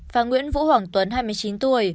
và nguyễn vũ hoàng tuấn hai mươi chín tuổi